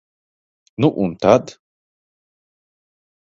Nu un tad?